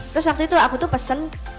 terus waktu itu aku tuh pesen